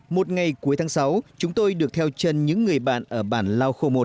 một ngày cuối tháng sáu chúng tôi được theo chân những người bạn ở bản lào khu một